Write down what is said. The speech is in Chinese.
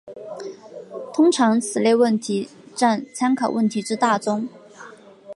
通常此类问题占参考问题之大宗。